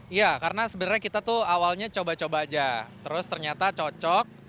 iya karena sebenarnya kita tuh awalnya coba coba aja terus ternyata cocok